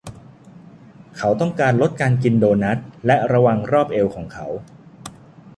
เขาต้องการลดการกินโดนัทและระวังรอบเอวของเขา